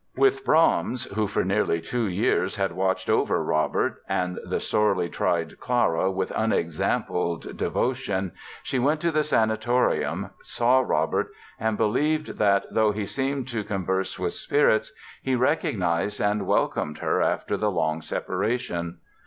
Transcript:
With Brahms, who for nearly two years had watched over Robert and the sorely tried Clara with unexampled devotion, she went to the sanatorium, saw Robert and believed that, though he seemed to converse with spirits, he recognized and welcomed her after the long separation.